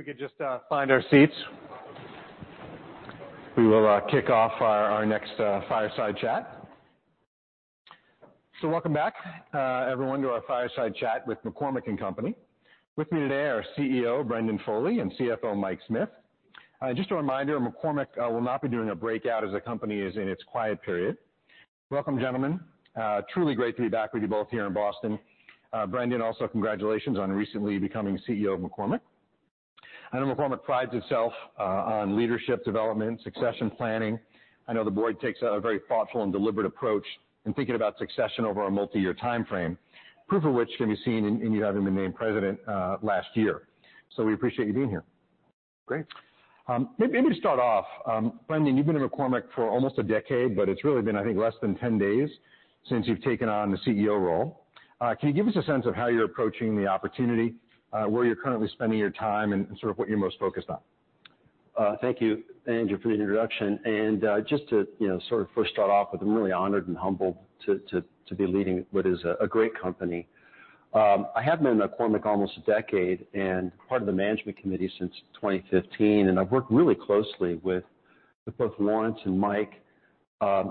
If we could just find our seats, we will kick off our our next fireside chat. So welcome back, everyone, to our fireside chat with McCormick & Company. With me today are CEO Brendan Foley and CFO Mike Smith. Just a reminder, McCormick will not be doing a breakout as the company is in its quiet period. Welcome, gentlemen. Truly great to be back with you both here in Boston. Brendan, also congratulations on recently becoming CEO of McCormick. I know McCormick prides itself on leadership development, succession planning. I know the board takes a very thoughtful and deliberate approach in thinking about succession over a multi-year timeframe, proof of which can be seen in you having been named president last year. So we appreciate you being here. Great. Maybe to start off, Brendan, you've been at McCormick for almost a decade, but it's really been, I think, less than 10 days since you've taken on the CEO role. Can you give us a sense of how you're approaching the opportunity, where you're currently spending your time, and sort of what you're most focused on? Thank you, Andrew, for the introduction. Just to, you know, sort of first start off with, I'm really honored and humbled to be leading what is a great company. I have been at McCormick almost a decade and part of the Management Committee since 2015, and I've worked really closely with both Lawrence and Mike,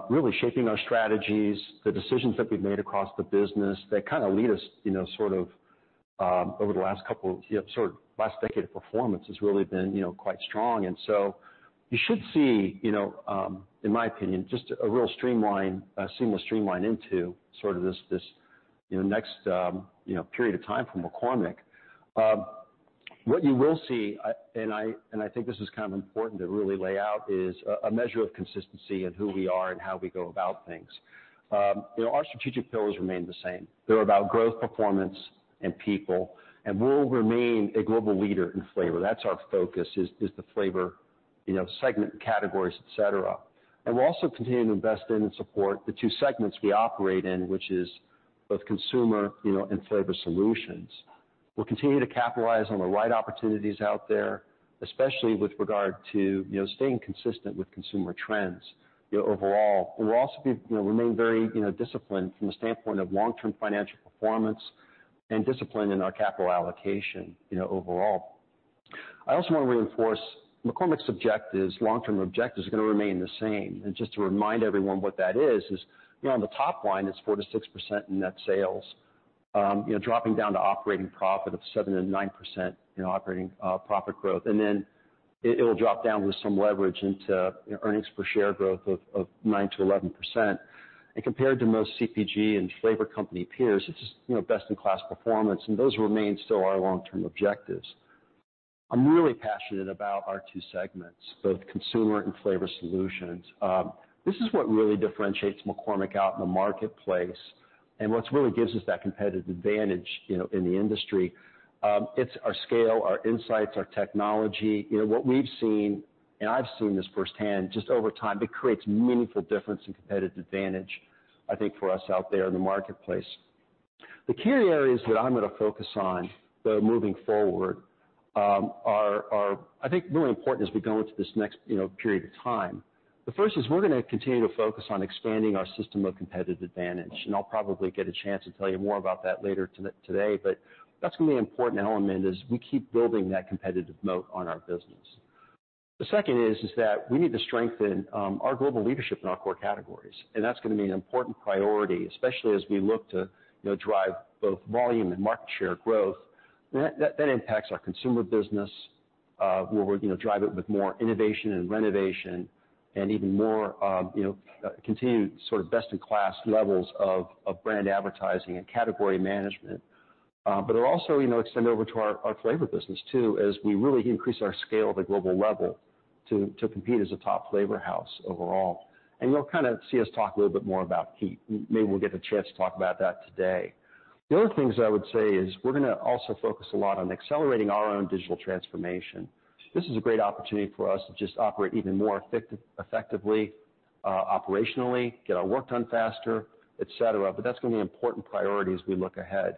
really shaping our strategies, the decisions that we've made across the business, that kind of lead us, you know, sort of, over the last couple, you know, sort of last decade of performance has really been, you know, quite strong. So you should see, you know, in my opinion, just a real streamline, seamless streamline into sort of this, this, you know, next, period of time for McCormick. What you will see, I think this is kind of important to really lay out, is a measure of consistency in who we are and how we go about things. You know, our strategic pillars remain the same. They're about growth, performance, and people, and we'll remain a global leader in flavor. That's our focus, is the flavor, you know, segment, categories, et cetera. And we'll also continue to invest in and support the two segments we operate in, which is both Consumer, you know, and Flavor Solutions. We'll continue to capitalize on the right opportunities out there, especially with regard to, you know, staying consistent with consumer trends overall. We'll also, you know, remain very, you know, disciplined from the standpoint of long-term financial performance and discipline in our capital allocation, you know, overall. I also want to reinforce McCormick's objectives, long-term objectives, are gonna remain the same. And just to remind everyone what that is, you know, on the top line, it's 4%-6% in net sales, you know, dropping down to operating profit of 7%-9% in operating profit growth. And then it, it'll drop down with some leverage into, you know, earnings per share growth of 9%-11%. And compared to most CPG and flavor company peers, this is, you know, best-in-class performance, and those remain still our long-term objectives. I'm really passionate about our two segments, both Consumer and Flavor Solutions. This is what really differentiates McCormick out in the marketplace and what really gives us that competitive advantage, you know, in the industry. It's our scale, our insights, our technology. You know, what we've seen, and I've seen this firsthand, just over time, it creates meaningful difference and competitive advantage, I think, for us out there in the marketplace. The key areas that I'm gonna focus on, though, moving forward, are, I think, really important as we go into this next, you know, period of time. The first is, we're gonna continue to focus on expanding our system of competitive advantage, and I'll probably get a chance to tell you more about that later today, but that's gonna be an important element, as we keep building that competitive moat on our business. The second is that we need to strengthen our global leadership in our core categories, and that's gonna be an important priority, especially as we look to, you know, drive both volume and market share growth. That, that impacts our Consumer business, where we're, you know, drive it with more innovation and renovation and even more, you know, continued sort of best-in-class levels of, of brand advertising and category management. But it'll also, you know, extend over to our, our flavor business, too, as we really increase our scale at the global level to, to compete as a top flavor house overall. And you'll kind of see us talk a little bit more about heat. Maybe we'll get a chance to talk about that today. The other things I would say is, we're gonna also focus a lot on accelerating our own digital transformation. This is a great opportunity for us to just operate even more effectively, operationally, get our work done faster, et cetera, but that's going to be an important priority as we look ahead.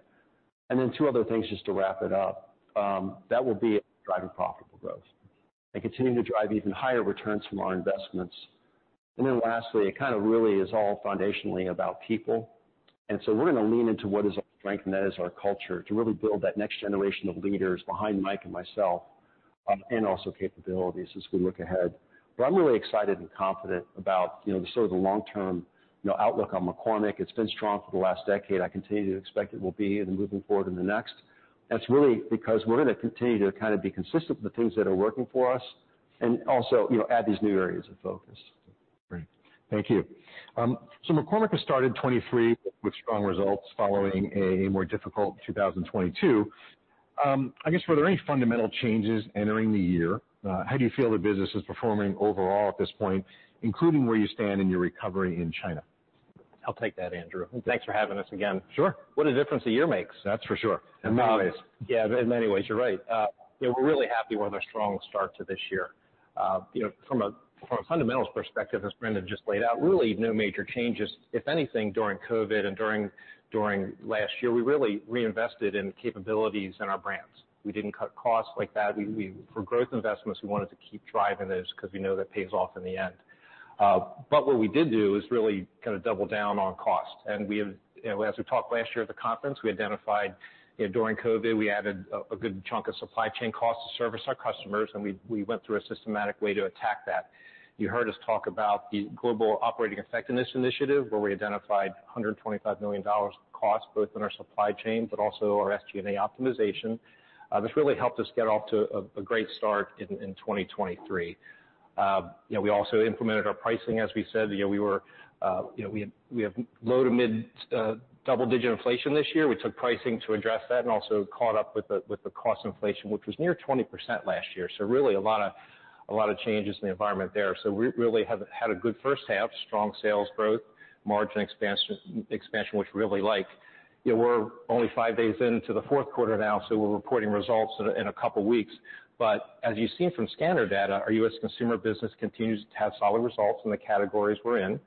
And then two other things, just to wrap it up. That will be driving profitable growth and continuing to drive even higher returns from our investments. And then lastly, it kind of really is all foundationally about people. And so we're gonna lean into what is our strength, and that is our culture, to really build that next generation of leaders behind Mike and myself, and also capabilities as we look ahead. But I'm really excited and confident about, you know, sort of the long-term, you know, outlook on McCormick. It's been strong for the last decade. I continue to expect it will be, and moving forward in the next. That's really because we're gonna continue to kind of be consistent with the things that are working for us and also, you know, add these new areas of focus. Great. Thank you. So McCormick has started 2023 with strong results following a more difficult 2022. I guess, were there any fundamental changes entering the year? How do you feel the business is performing overall at this point, including where you stand in your recovery in China? I'll take that, Andrew, and thanks for having us again. Sure. What a difference a year makes! That's for sure, in many ways. Yeah, in many ways, you're right. We're really happy with our strong start to this year. You know, from a fundamentals perspective, as Brendan just laid out, really no major changes. If anything, during COVID and during last year, we really reinvested in capabilities and our brands. We didn't cut costs like that. For growth investments, we wanted to keep driving those because we know that pays off in the end. But what we did do is really kind of double down on cost. And we have, as we talked last year at the conference, we identified, you know, during COVID, we added a good chunk of supply chain costs to service our customers, and we went through a systematic way to attack that. You heard us talk about the Global Operating Effectiveness initiative, where we identified $125 million of cost, both in our supply chain, but also our SG&A optimization. This really helped us get off to a great start in 2023. You know, we also implemented our pricing, as we said, you know, we were, you know, we have low- to mid-double-digit inflation this year. We took pricing to address that and also caught up with the cost inflation, which was near 20% last year. So really, a lot of changes in the environment there. So we really have had a good first half, strong sales growth, margin expansion, which we really like. You know, we're only five days into the fourth quarter now, so we're reporting results in a couple of weeks. But as you've seen from scanner data, our U.S. Consumer Business continues to have solid results in the categories we're in.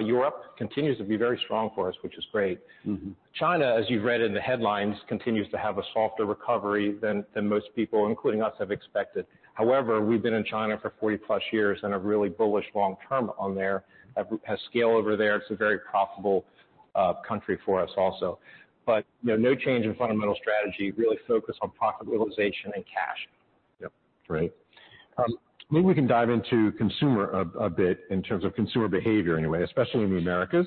Europe continues to be very strong for us, which is great. Mm-hmm. China, as you've read in the headlines, continues to have a softer recovery than most people, including us, have expected. However, we've been in China for 40-plus years and are really bullish long term on there. Have scale over there. It's a very profitable country for us also. But, you know, no change in fundamental strategy, really focused on profit realization and cash. Yep, great. Maybe we can dive into consumer a bit, in terms of consumer behavior anyway, especially in the Americas.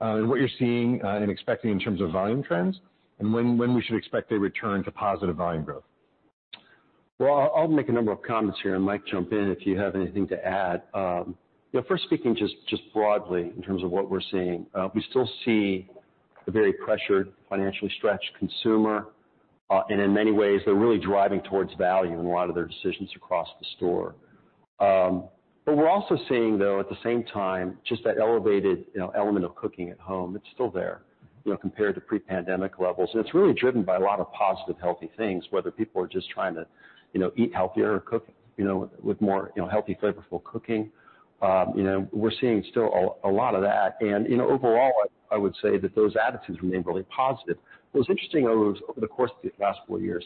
And what you're seeing and expecting in terms of volume trends and when we should expect a return to positive volume growth? Well, I'll make a number of comments here, and Mike, jump in if you have anything to add. You know, first speaking, just broadly in terms of what we're seeing, we still see a very pressured, financially stretched consumer. And in many ways they're really driving towards value in a lot of their decisions across the store. But we're also seeing, though, at the same time, just that elevated, you know, element of cooking at home, it's still there, you know, compared to pre-pandemic levels. And it's really driven by a lot of positive, healthy things, whether people are just trying to, you know, eat healthier or cook, you know, with more, you know, healthy, flavorful cooking. You know, we're seeing still a lot of that. And, you know, overall, I would say that those attitudes remain really positive. What's interesting over, over the course of the last four years,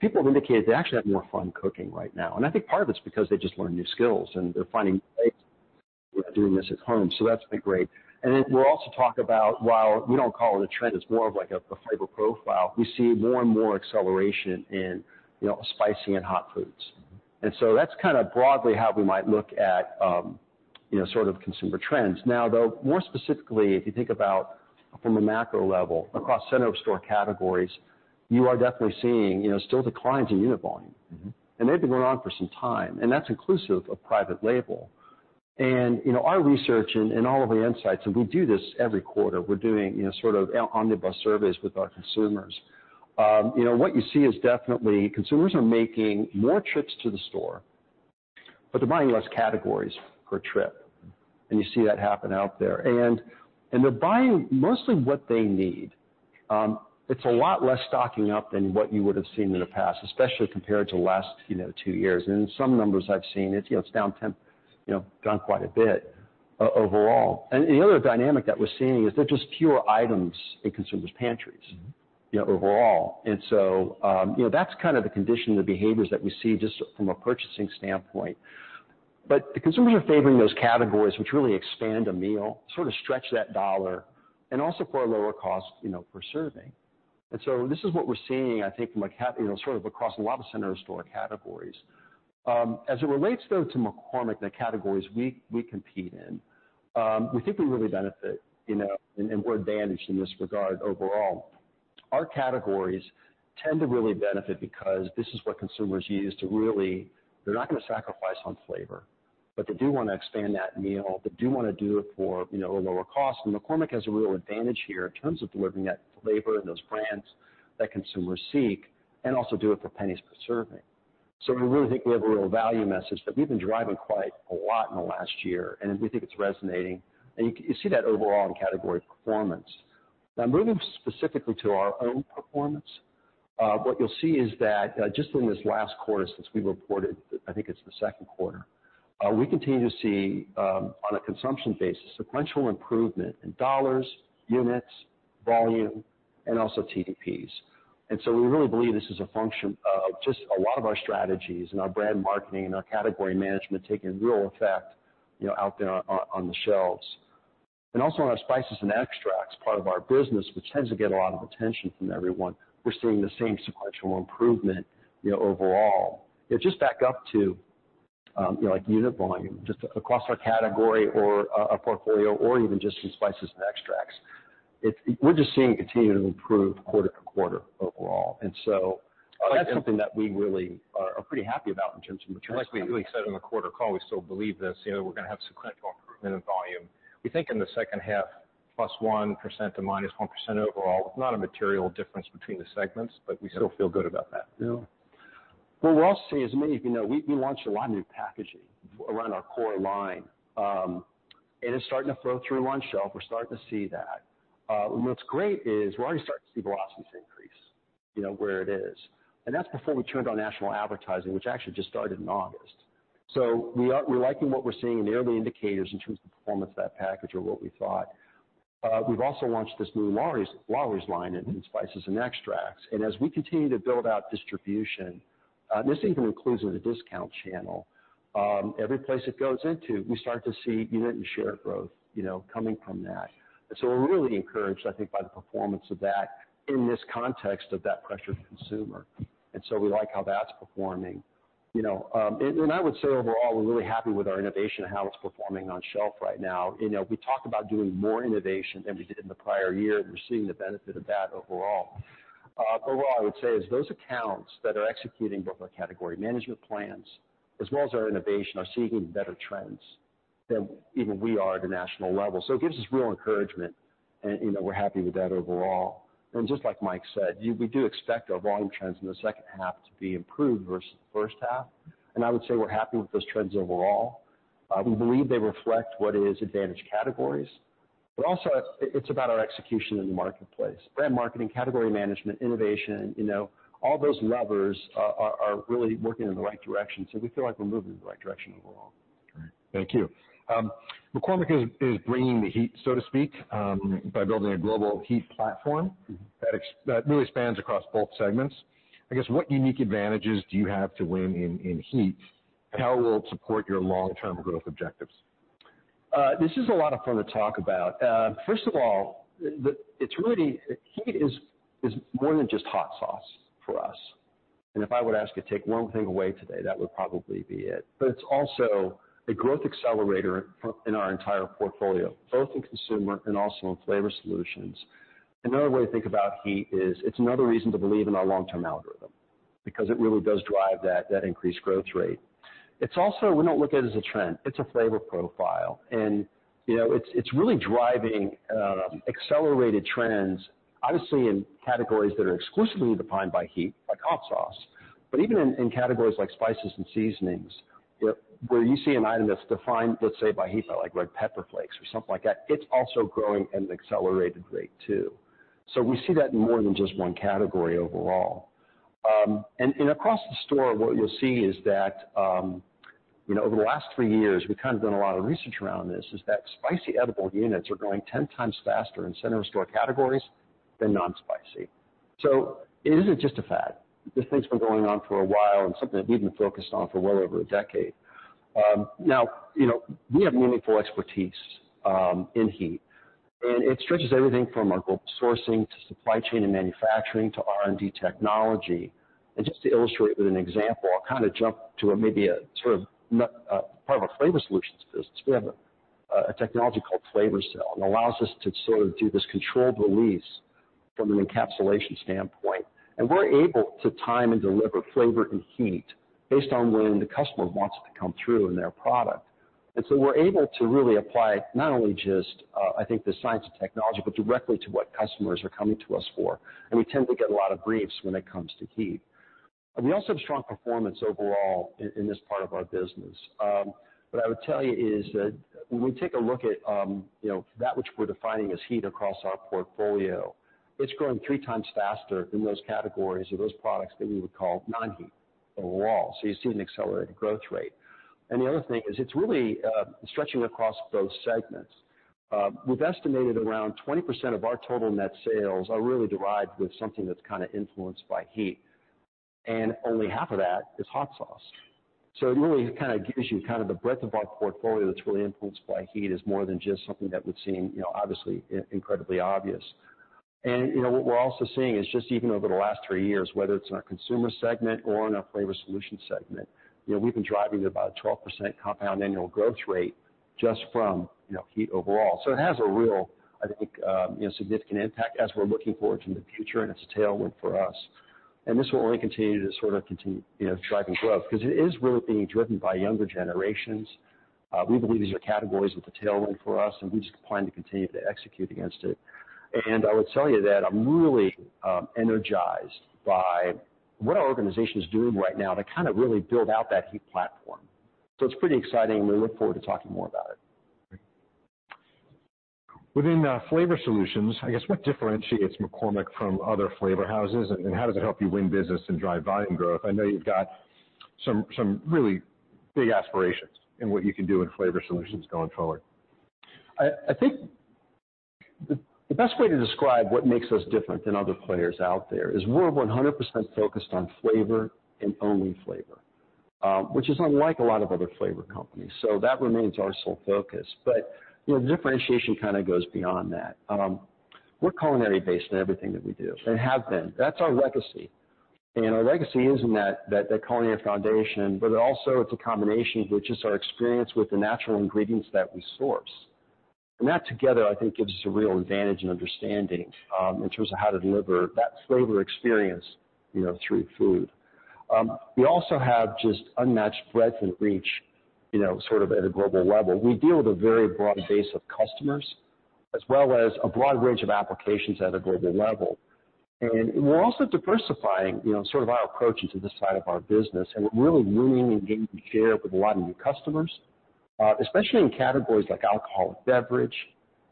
people have indicated they actually have more fun cooking right now, and I think part of it's because they just learned new skills, and they're finding ways of doing this at home. So that's been great. And then we'll also talk about, while we don't call it a trend, it's more of like a flavor profile. We see more and more acceleration in, you know, spicy and hot foods. And so that's kind of broadly how we might look at, you know, sort of consumer trends. Now, though, more specifically, if you think about from a macro level across center of store categories, you are definitely seeing, you know, still declines in unit volume. Mm-hmm. They've been going on for some time, and that's inclusive of private label. You know, our research and all of the insights, and we do this every quarter, we're doing, you know, sort of omnibus surveys with our consumers. You know, what you see is definitely consumers are making more trips to the store, but they're buying less categories per trip, and you see that happen out there. And they're buying mostly what they need. It's a lot less stocking up than what you would have seen in the past, especially compared to the last, you know, two years. And in some numbers I've seen, it's, you know, it's down 10, you know, down quite a bit overall. And the other dynamic that we're seeing is there are just fewer items in consumers' pantries- Mm-hmm. You know, overall. So, you know, that's kind of the condition, the behaviors that we see just from a purchasing standpoint. But the consumers are favoring those categories, which really expand a meal, sort of stretch that dollar, and also for a lower cost, you know, per serving. So this is what we're seeing, I think, you know, sort of across a lot of center store categories. As it relates, though, to McCormick, the categories we compete in, we think we really benefit, you know, and we're advantaged in this regard overall. Our categories tend to really benefit because this is what consumers use to really, they're not gonna sacrifice on flavor, but they do wanna expand that meal. They do wanna do it for, you know, a lower cost, and McCormick has a real advantage here in terms of delivering that flavor and those brands that consumers seek and also do it for pennies per serving. So we really think we have a real value message that we've been driving quite a lot in the last year, and we think it's resonating. You, you see that overall in category performance. Now, moving specifically to our own performance, what you'll see is that, just in this last quarter since we reported, I think it's the second quarter, we continue to see, on a consumption basis, sequential improvement in dollars, units, volume, and also TDPs. So we really believe this is a function of just a lot of our strategies and our brand marketing and our category management taking real effect, you know, out there on the shelves. And also in our spices and extracts, part of our business, which tends to get a lot of attention from everyone, we're seeing the same sequential improvement, you know, overall. It just backs up to, you know, like unit volume, just across our category or, our portfolio or even just in spices and extracts. It's -- we're just seeing it continue to improve quarter-to-quarter overall. And so that's something that we really are pretty happy about in terms of materials. Like we said on the quarter call, we still believe this. You know, we're gonna have sequential improvement in volume. We think in the second half, +1% to -1% overall. Not a material difference between the segments, but we still feel good about that. Yeah. What we're also seeing, as many of you know, we launched a lot of new packaging around our core line. It is starting to flow through on shelf. We're starting to see that. What's great is we're already starting to see velocities increase, you know, where it is. And that's before we turned on national advertising, which actually just started in August. So we're liking what we're seeing in the early indicators in terms of the performance of that package or what we thought. We've also launched this new Lawry's line in spices and extracts. And as we continue to build out distribution, this even includes in the discount channel, every place it goes into, we start to see unit and share growth, you know, coming from that. And so we're really encouraged, I think, by the performance of that in this context of that pressured consumer. And so we like how that's performing. You know, and I would say overall, we're really happy with our innovation and how it's performing on shelf right now. You know, we talked about doing more innovation than we did in the prior year, and we're seeing the benefit of that overall. Overall, I would say is those accounts that are executing both our category management plans, as well as our innovation, are seeing even better trends than even we are at a national level. So it gives us real encouragement and, you know, we're happy with that overall. Just like Mike said, we do expect our volume trends in the second half to be improved versus the first half, and I would say we're happy with those trends overall. We believe they reflect what is advantage categories, but also it's about our execution in the marketplace. Brand marketing, category management, innovation, you know, all those levers are really working in the right direction, so we feel like we're moving in the right direction overall. Great. Thank you. McCormick is bringing the heat, so to speak, by building a global heat platform- Mm-hmm. That really spans across both segments. I guess, what unique advantages do you have to win in heat? How will it support your long-term growth objectives? This is a lot of fun to talk about. First of all, it's really... Heat is more than just hot sauce for us, and if I would ask you to take one thing away today, that would probably be it. But it's also a growth accelerator for our entire portfolio, both in Consumer and also in Flavor Solutions. Another way to think about heat is, it's another reason to believe in our long-term algorithm, because it really does drive that increased growth rate. It's also, we don't look at it as a trend; it's a flavor profile. You know, it's really driving accelerated trends, obviously, in categories that are exclusively defined by heat, like hot sauce, but even in categories like spices and seasonings, where you see an item that's defined, let's say, by heat, like red pepper flakes or something like that, it's also growing at an accelerated rate, too. So we see that in more than just one category overall. Across the store, what you'll see is that, you know, over the last three years, we've kind of done a lot of research around this, is that spicy edible units are growing 10x faster in center-of-store categories than non-spicy. So it isn't just a fad. This thing's been going on for a while, and something that we've been focused on for well over a decade. Now, you know, we have meaningful expertise in heat, and it stretches everything from our global sourcing to supply chain and manufacturing to R&D technology. And just to illustrate with an example, I'll kind of jump to a maybe a sort of not part of our Flavor Solutions business. We have a technology called FlavorCell, and it allows us to sort of do this controlled release from an encapsulation standpoint. And we're able to time and deliver flavor and heat based on when the customer wants it to come through in their product. And so we're able to really apply not only just I think the science and technology, but directly to what customers are coming to us for, and we tend to get a lot of briefs when it comes to heat. We also have strong performance overall in, in this part of our business. What I would tell you is that when we take a look at, you know, that which we're defining as heat across our portfolio, it's growing three times faster than those categories or those products that we would call non-heat overall, so you see an accelerated growth rate. The other thing is, it's really stretching across both segments. We've estimated around 20% of our total net sales are really derived with something that's kind of influenced by heat, and only half of that is hot sauce. It really kind of gives you kind of the breadth of our portfolio that's really influenced by heat, is more than just something that would seem, you know, obviously, incredibly obvious. And, you know, what we're also seeing is just even over the last three years, whether it's in our Consumer segment or in our Flavor Solution segment, you know, we've been driving about a 12% compound annual growth rate just from, you know, heat overall. So it has a real, I think, significant impact as we're looking forward to the future, and it's a tailwind for us. And this will only continue to sort of continue, you know, driving growth, because it is really being driven by younger generations. We believe these are categories with a tailwind for us, and we just plan to continue to execute against it. And I would tell you that I'm really, energized by what our organization is doing right now to kind of really build out that heat platform. It's pretty exciting, and we look forward to talking more about it. Within Flavor Solutions, I guess what differentiates McCormick from other flavor houses, and how does it help you win business and drive volume growth? I know you've got some really big aspirations in what you can do in Flavor Solutions going forward. I think the best way to describe what makes us different than other players out there is, we're 100% focused on flavor and only flavor, which is unlike a lot of other flavor companies, so that remains our sole focus. But, you know, differentiation kind of goes beyond that. We're culinary based in everything that we do and have been. That's our legacy, and our legacy is in that culinary foundation, but also it's a combination, which is our experience with the natural ingredients that we source. And that together, I think, gives us a real advantage and understanding in terms of how to deliver that flavor experience, you know, through food. We also have just unmatched breadth and reach, you know, sort of at a global level. We deal with a very broad base of customers, as well as a broad range of applications at a global level. We're also diversifying, you know, sort of our approach into this side of our business, and we're really winning and gaining share with a lot of new customers, especially in categories like alcoholic beverage,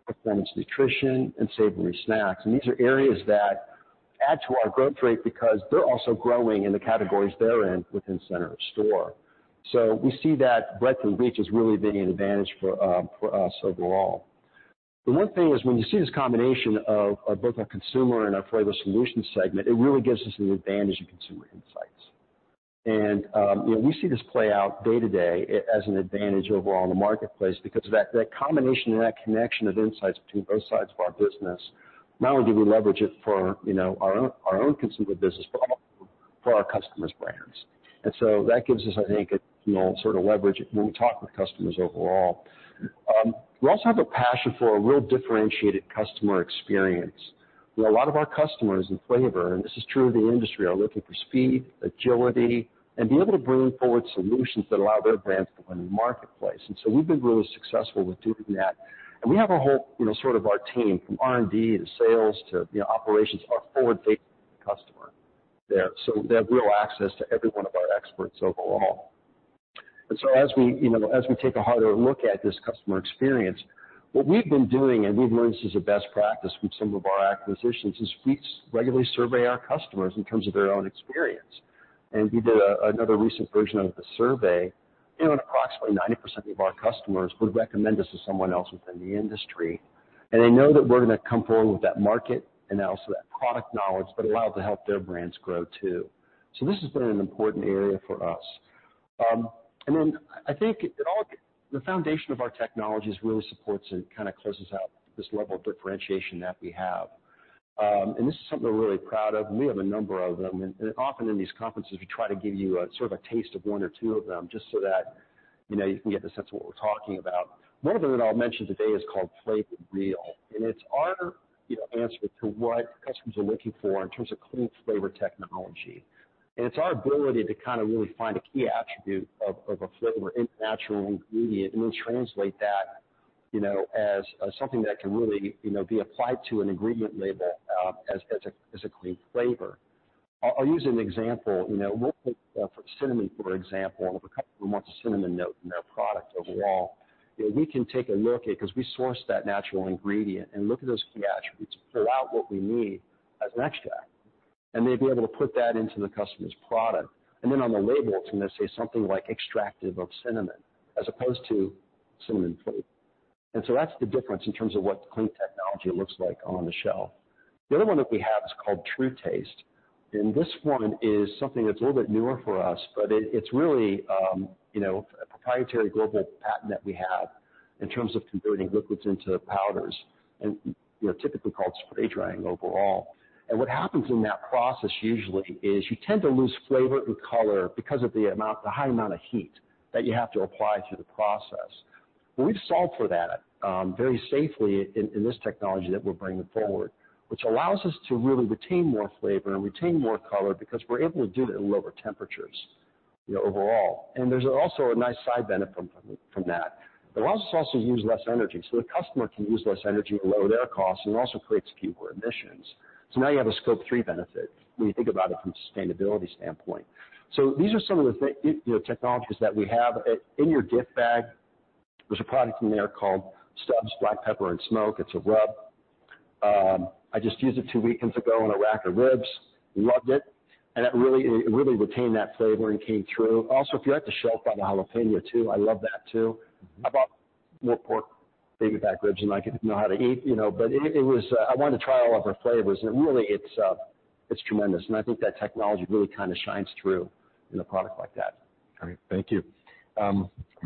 performance nutrition, and savory snacks. These are areas that add to our growth rate because they're also growing in the categories they're in within center of store. So we see that breadth and reach as really being an advantage for us overall. The one thing is, when you see this combination of both our Consumer and our Flavor Solutions segment, it really gives us an advantage in consumer insights. You know, we see this play out day to day as an advantage overall in the marketplace because that, that combination and that connection of insights between both sides of our business, not only do we leverage it for, you know, our own, our own Consumer Business, but also for our customers' brands. That gives us, I think, a, you know, sort of leverage when we talk with customers overall. We also have a passion for a real differentiated customer experience, where a lot of our customers in flavor, and this is true of the industry, are looking for speed, agility, and be able to bring forward solutions that allow their brands to win in the marketplace. We've been really successful with doing that. We have a whole, you know, sort of our team, from R&D to sales to, you know, operations, are forward-facing with the customer there. So they have real access to every one of our experts overall. And so as we, you know, as we take a harder look at this customer experience, what we've been doing, and we've learned this as a best practice with some of our acquisitions, is we regularly survey our customers in terms of their own experience. And we did a, another recent version of the survey, and approximately 90% of our customers would recommend us to someone else within the industry. And they know that we're gonna come forward with that market and also that product knowledge that allows to help their brands grow, too. So this has been an important area for us. And then I think the foundation of our technologies really supports and kind of closes out this level of differentiation that we have. And this is something we're really proud of, and we have a number of them. And often in these conferences, we try to give you a sort of a taste of one or two of them just so that, you know, you can get the sense of what we're talking about. One of them that I'll mention today is called FlavorReal, and it's our, you know, answer to what customers are looking for in terms of clean flavor technology. It's our ability to kind of really find a key attribute of a flavor in a natural ingredient, and then translate that, you know, as something that can really, you know, be applied to an ingredient label, as a clean flavor. I'll use an example. You know, we'll take cinnamon, for example, and if a customer wants a cinnamon note in their product overall, you know, we can take a look at it, 'cause we source that natural ingredient, and look at those key attributes and pull out what we need as an extract, and then be able to put that into the customer's product. And then on the label, it's gonna say something like, "extract of cinnamon," as opposed to "cinnamon flavor." And so that's the difference in terms of what clean technology looks like on the shelf. The other one that we have is called TrueTaste, and this one is something that's a little bit newer for us, but it, it's really, you know, a proprietary global patent that we have in terms of converting liquids into powders and, you know, typically called spray drying overall. What happens in that process usually is you tend to lose flavor and color because of the amount... the high amount of heat that you have to apply to the process. We've solved for that, very safely in, in this technology that we're bringing forward, which allows us to really retain more flavor and retain more color because we're able to do that at lower temperatures, you know, overall. There's also a nice side benefit from, from that. It allows us also to use less energy, so the customer can use less energy to lower their costs, and it also creates fewer emissions. So now you have a Scope 3 benefit, when you think about it from a sustainability standpoint. So these are some of the, you know, technologies that we have. In your gift bag, there's a product in there called Stubb's Black Pepper and Smoke. It's a rub. I just used it two weekends ago on a rack of ribs. Loved it, and it really, it really retained that flavor and came through. Also, if you're at the shelf, by the jalapeño, too, I love that, too. I bought pork baby back ribs, and I know how to eat, you know, but it, it was... I wanted to try all of our flavors, and really, it's, it's tremendous. I think that technology really kind of shines through in a product like that. All right. Thank you.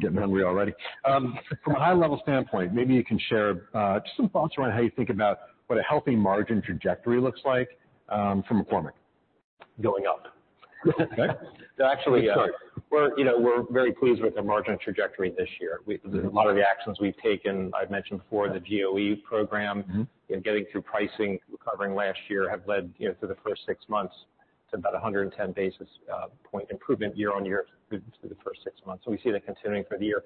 Getting hungry already. From a high level standpoint, maybe you can share, just some thoughts around how you think about what a healthy margin trajectory looks like, from McCormick. Going up. Okay. Actually, Sorry. We're, you know, we're very pleased with the margin trajectory this year. We Mm-hmm. There's a lot of the actions we've taken. I've mentioned before, the GOE program- Mm-hmm. -and getting through pricing, recovering last year, have led, you know, through the first six months to about 110 basis point improvement year on year through the first six months. So we see that continuing for the year.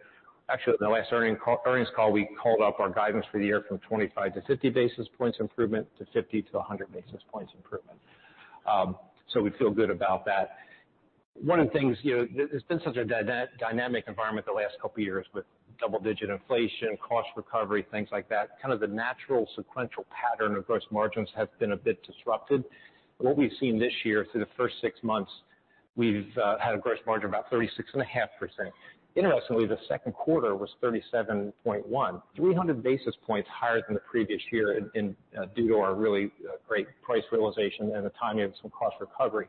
Actually, at the last earning call, earnings call, we called up our guidance for the year from 25-50 basis points improvement to 50-100 basis points improvement. So we feel good about that. One of the things, you know, there's been such a dynamic environment the last couple of years with double-digit inflation, cost recovery, things like that, kind of the natural sequential pattern of gross margins has been a bit disrupted. What we've seen this year, through the first six months, we've had a gross margin of about 36.5%. Interestingly, the second quarter was 37.1%, 300 basis points higher than the previous year in due to our really great price realization and the timing of some cost recovery.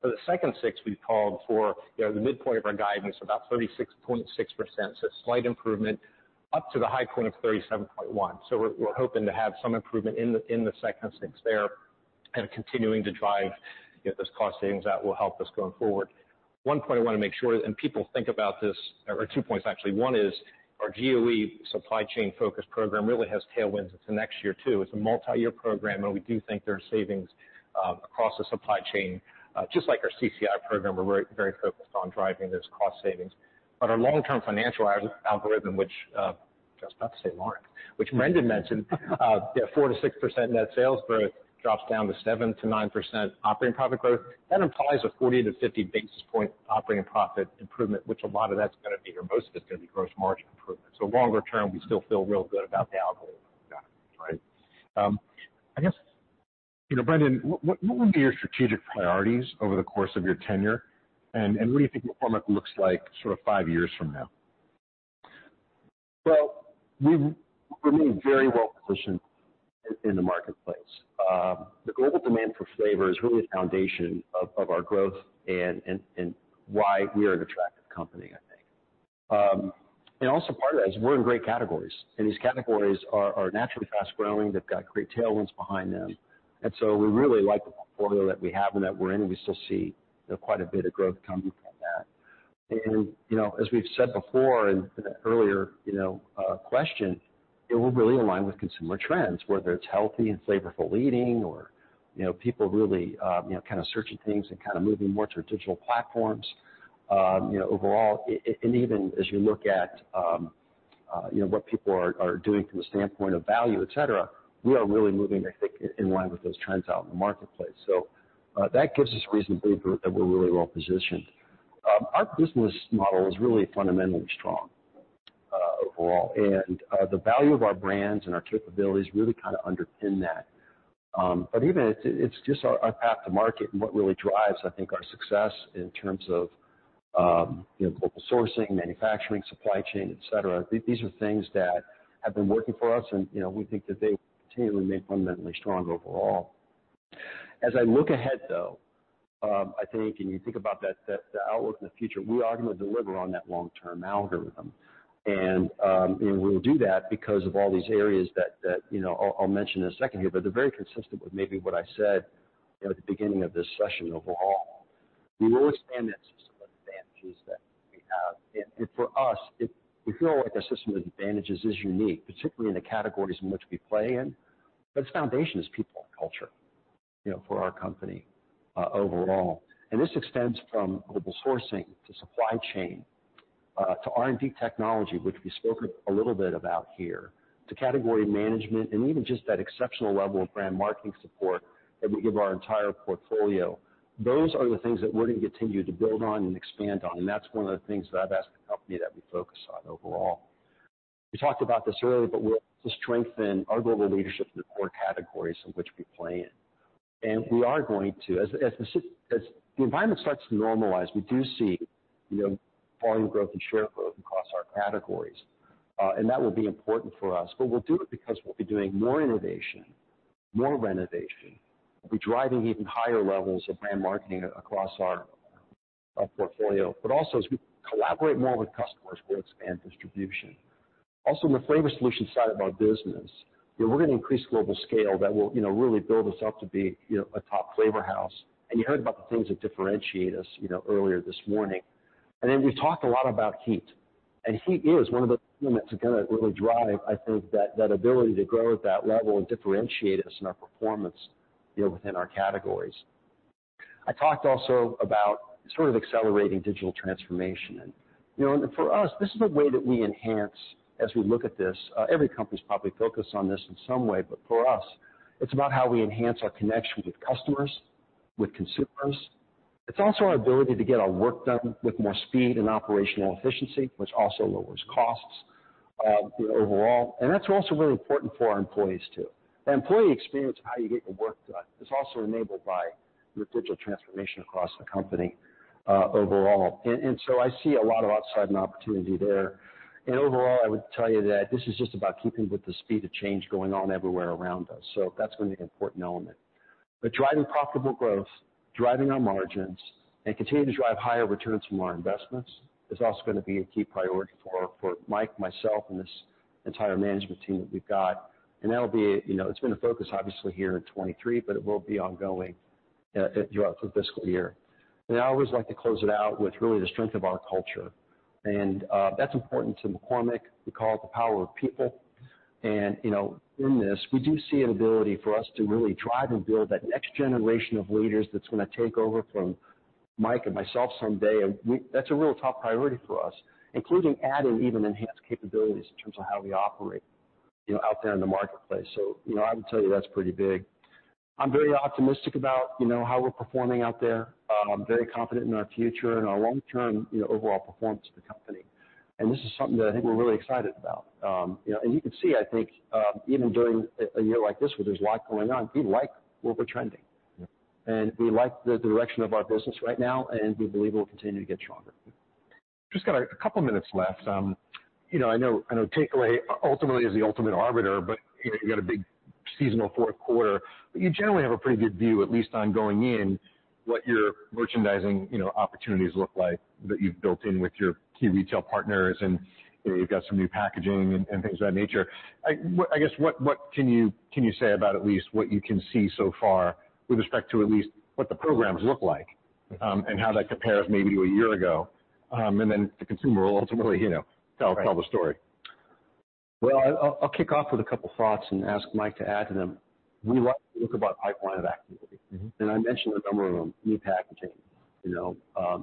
For the second six, we've called for, you know, the midpoint of our guidance, about 36.6%. So slight improvement up to the high point of 37.1%. So we're hoping to have some improvement in the second six there and continuing to drive, you know, those cost savings that will help us going forward. One point I wanna make sure, and people think about this, or two points, actually. One is our GOE supply chain focus program really has tailwinds into next year, too. It's a multiyear program, and we do think there are savings across the supply chain, just like our CCI program, we're very focused on driving those cost savings. But our long-term financial algorithm, which I was about to say Lawrence, which Brendan mentioned, yeah, 4%-6% net sales growth drops down to 7%-9% operating profit growth. That implies a 40-50 basis point operating profit improvement, which a lot of that's gonna be, or most of it's gonna be, gross margin improvement. So longer term, we still feel real good about the algorithm. Right. I guess, you know, Brendan, what would be your strategic priorities over the course of your tenure? And what do you think McCormick looks like sort of five years from now? Well, we're really very well positioned in the marketplace. The global demand for flavor is really the foundation of our growth and why we are an attractive company, I think. And also part of that is we're in great categories, and these categories are naturally fast-growing. They've got great tailwinds behind them, and so we really like the portfolio that we have and that we're in. We still see, you know, quite a bit of growth coming from that. And, you know, as we've said before, in an earlier, you know, question, it will really align with consumer trends, whether it's healthy and flavorful eating or, you know, people really, you know, kind of searching things and kind of moving more to digital platforms. You know, overall, it and even as you look at, you know, what people are doing from a standpoint of value, et cetera, we are really moving, I think, in line with those trends out in the marketplace. So, that gives us reason to believe that we're really well positioned. Our business model is really fundamentally strong, overall, and, the value of our brands and our capabilities really kind of underpin that. But even it's just our path to market and what really drives, I think, our success in terms of, you know, global sourcing, manufacturing, supply chain, et cetera. These are things that have been working for us and, you know, we think that they continually remain fundamentally strong overall. As I look ahead, though, I think, and you think about that, that the outlook in the future, we are going to deliver on that long-term algorithm. And, and we'll do that because of all these areas that, you know, I'll mention in a second here, but they're very consistent with maybe what I said, you know, at the beginning of this session overall. We will expand that system of advantages that we have. And, and for us, it, we feel like our system of advantages is unique, particularly in the categories in which we play in, but its foundation is people and culture, you know, for our company, overall. And this extends from global sourcing to supply chain, to R&D technology, which we spoke a little bit about here, to category management, and even just that exceptional level of brand marketing support that we give our entire portfolio. Those are the things that we're going to continue to build on and expand on, and that's one of the things that I've asked the company that we focus on overall. We talked about this earlier, but we'll to strengthen our global leadership in the core categories in which we play in. And we are going to. As the environment starts to normalize, we do see, you know, volume growth and share growth across our categories, and that will be important for us. But we'll do it because we'll be doing more innovation, more renovation. We'll be driving even higher levels of brand marketing across our portfolio, but also, as we collaborate more with customers, we'll expand distribution. Also, in the flavor solution side of our business, we're going to increase global scale that will, you know, really build us up to be, you know, a top flavor house. You heard about the things that differentiate us, you know, earlier this morning. Then we talked a lot about heat, and heat is one of the elements that's gonna really drive, I think, that ability to grow at that level and differentiate us in our performance, you know, within our categories. I talked also about sort of accelerating digital transformation. And, you know, and for us, this is a way that we enhance as we look at this. Every company is probably focused on this in some way, but for us, it's about how we enhance our connection with customers, with consumers. It's also our ability to get our work done with more speed and operational efficiency, which also lowers costs, you know, overall, and that's also really important for our employees, too. The employee experience, how you get your work done, is also enabled by your digital transformation across the company, overall. And so I see a lot of upside and opportunity there. Overall, I would tell you that this is just about keeping with the speed of change going on everywhere around us, so that's going to be an important element. But driving profitable growth, driving our margins, and continuing to drive higher returns from our investments is also gonna be a key priority for, for Mike, myself, and this entire management team that we've got. And that'll be, you know, it's been a focus, obviously, here in 2023, but it will be ongoing throughout the Fiscal Year. And I always like to close it out with really the strength of our culture, and that's important to McCormick. We call it the power of people. And, you know, in this, we do see an ability for us to really drive and build that next generation of leaders that's gonna take over from Mike and myself someday. And we -- that's a real top priority for us, including adding even enhanced capabilities in terms of how we operate, you know, out there in the marketplace. So, you know, I would tell you that's pretty big. I'm very optimistic about, you know, how we're performing out there. I'm very confident in our future and our long-term, you know, overall performance of the company. And this is something that I think we're really excited about. You know, and you can see, I think, even during a year like this, where there's a lot going on, we like where we're trending, and we like the direction of our business right now, and we believe it will continue to get stronger. Just got a couple minutes left. You know, I know takeaway ultimately is the ultimate arbiter, but, you know, you got a big seasonal fourth quarter, but you generally have a pretty good view, at least on going in, what your merchandising, you know, opportunities look like that you've built in with your key retail partners, and, you know, you've got some new packaging and things of that nature. I guess, what can you say about at least what you can see so far with respect to at least what the programs look like, and how that compares maybe to a year ago? And then the consumer will ultimately, you know, tell- Right tell the story. Well, I'll kick off with a couple thoughts and ask Mike to add to them. We like to look about pipeline of activity. Mm-hmm. I mentioned a number of them, new packaging, you know,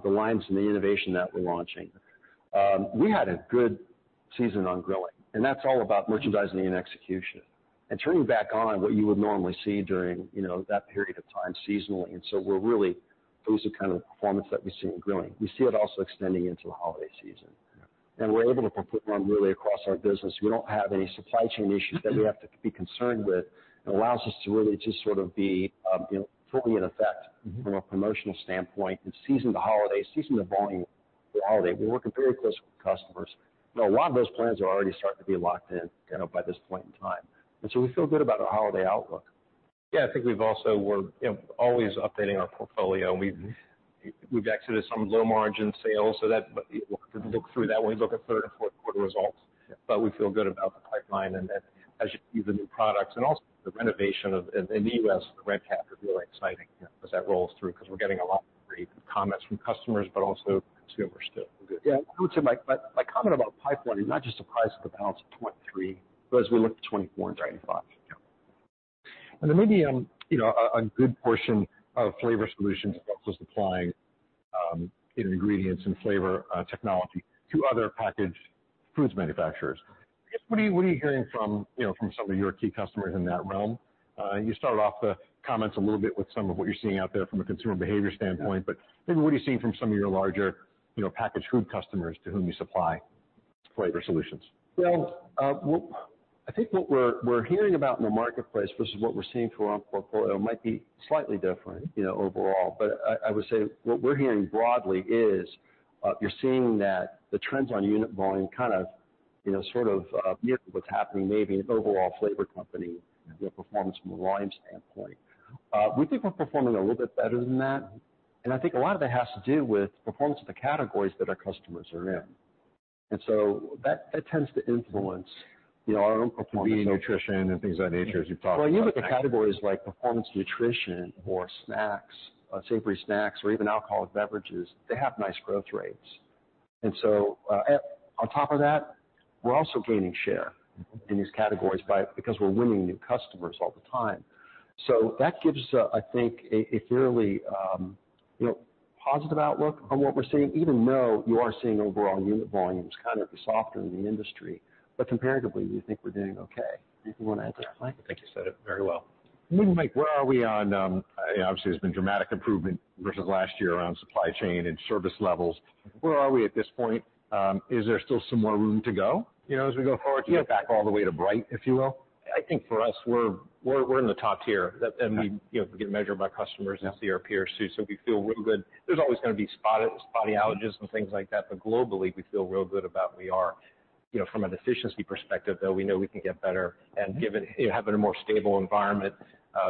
the lines and the innovation that we're launching. We had a good season on grilling, and that's all about merchandising and execution and turning back on what you would normally see during, you know, that period of time seasonally. And so we're really... Those are the kind of performance that we see in grilling. We see it also extending into the holiday season... and we're able to put one really across our business. We don't have any supply chain issues that we have to be concerned with. It allows us to really just sort of be, you know, fully in effect from a promotional standpoint and season the holiday, season the volume for the holiday. We're working very close with customers, and a lot of those plans are already starting to be locked in, you know, by this point in time. And so we feel good about our holiday outlook. Yeah, I think we've also—we're, you know, always updating our portfolio, and we've, we've exited some low-margin sales so that, but we'll look through that when we look at third and fourth quarter results. But we feel good about the pipeline and then, as you see the new products and also the renovation of, in the U.S., the red-cap is really exciting as that rolls through, because we're getting a lot of great comments from customers but also consumers too. Yeah. I would say, Mike, but my comment about pipeline is not just the price of the balance of 2023, but as we look to 2024 and 2025. Yeah. And there may be, you know, a good portion of Flavor Solutions about supplying ingredients and flavor technology to other packaged foods manufacturers. I guess, what are you hearing from, you know, from some of your key customers in that realm? You started off the comments a little bit with some of what you're seeing out there from a consumer behavior standpoint. Yeah. But maybe what are you seeing from some of your larger, you know, packaged food customers to whom you supply Flavor Solutions? Well, I think what we're hearing about in the marketplace versus what we're seeing for our portfolio might be slightly different, you know, overall. But I would say what we're hearing broadly is you're seeing that the trends on unit volume kind of, you know, sort of mirror what's happening maybe in an overall flavor company, the performance from a volume standpoint. We think we're performing a little bit better than that, and I think a lot of it has to do with performance of the categories that our customers are in. And so that tends to influence, you know, our own performance- Nutrition and things of that nature, as you've talked about. Well, even the categories like performance nutrition or snacks, savory snacks, or even alcoholic beverages, they have nice growth rates. And so, on top of that, we're also gaining share in these categories by, because we're winning new customers all the time. So that gives us, I think, a fairly, you know, positive outlook on what we're seeing, even though you are seeing overall unit volumes kind of softer in the industry. But comparatively, we think we're doing okay. Do you want to add to that, Mike? I think you said it very well. Mike, where are we on, obviously, there's been dramatic improvement versus last year around supply chain and service levels. Where are we at this point? Is there still some more room to go, you know, as we go forward- Yeah. to get back all the way to bright, if you will? I think for us, we're in the top tier. That, and we, you know, get measured by customers. Yeah. and see our peers, too. So we feel real good. There's always gonna be spotty outages and things like that, but globally, we feel real good about where we are. You know, from an efficiency perspective, though, we know we can get better- Yeah. and given you having a more stable environment,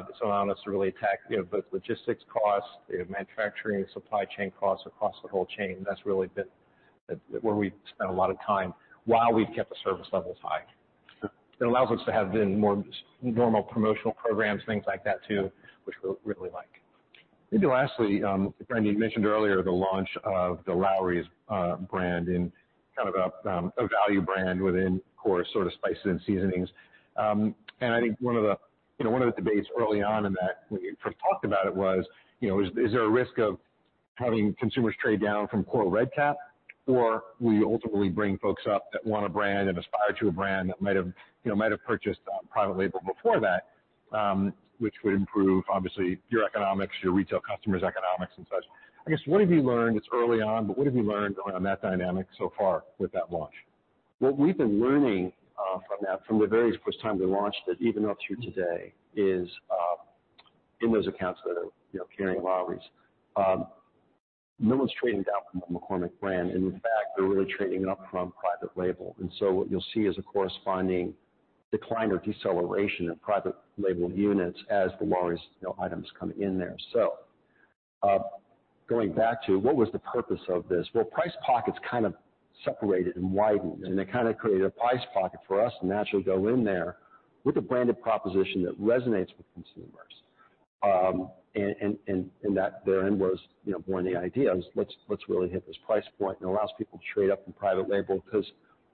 it's allowing us to really attack, you know, both logistics costs, manufacturing and supply chain costs across the whole chain. That's really been where we've spent a lot of time while we've kept the service levels high. Sure. It allows us to have then more normal promotional programs, things like that, too, which we really like. Maybe lastly, Brendan, you mentioned earlier the launch of the Lawry's brand and kind of a value brand within, of course, sort of spices and seasonings. And I think one of the, you know, one of the debates early on in that, when you first talked about it, was, you know, is there a risk of having consumers trade down from core red-cap? Or will you ultimately bring folks up that want a brand and aspire to a brand that might have, you know, might have purchased private label before that, which would improve, obviously, your economics, your retail customers' economics and such. I guess, what have you learned? It's early on, but what have you learned on that dynamic so far with that launch? What we've been learning from that, from the very first time we launched it, even up through today, is, in those accounts that are, you know, carrying Lawry's, no one's trading down from the McCormick brand. In fact, they're really trading up from private label. And so what you'll see is a corresponding decline or deceleration of private label units as the Lawry's, you know, items come in there. So, going back to, what was the purpose of this? Well, price pockets kind of separated and widened, and they kind of created a price pocket for us to naturally go in there with a branded proposition that resonates with Consumers. That then was, you know, one of the ideas, "Let's really hit this price point." It allows people to trade up from private label because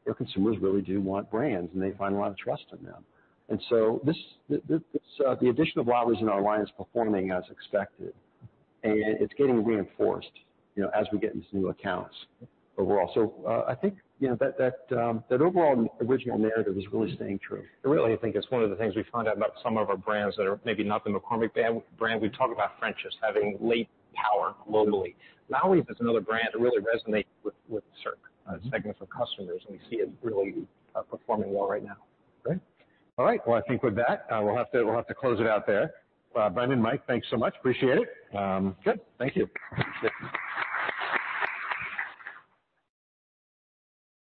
their Consumers really do want brands, and they find a lot of trust in them. And so this, the addition of Lawry's in our line is performing as expected, and it's getting reinforced, you know, as we get into new accounts overall. So, I think, you know, that overall original narrative is really staying true. Really, I think it's one of the things we found out about some of our brands that are maybe not the McCormick brand. We've talked about French's having great power globally. Lawry's is another brand that really resonates with certain segments of customers, and we see it really performing well right now. Great. All right. Well, I think with that, we'll have to close it out there. Brendan, Mike, thanks so much. Appreciate it. Good. Thank you.